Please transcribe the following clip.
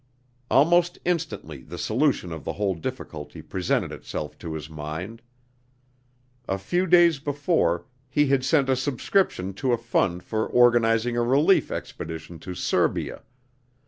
Almost instantly the solution of the whole difficulty presented itself to his mind. A few days before, he had sent a subscription to a fund for organizing a relief expedition to Serbia.